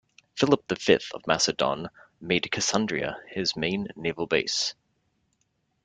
Philip the Fifth of Macedon made Cassandreia his main naval base.